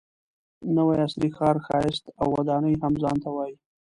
نوي عصري ښار ښایست او ودانۍ هم ځان ته وایي.